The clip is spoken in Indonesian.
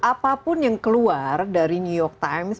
apapun yang keluar dari new york times